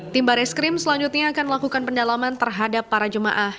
tim baris krim selanjutnya akan melakukan pendalaman terhadap para jemaah